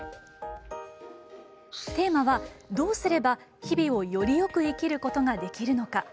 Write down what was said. テーマはどうすれば日々をより良く生きることができるのか。